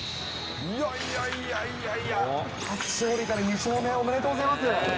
いやいやいやいや、初勝利から２勝目、おめでとうございます。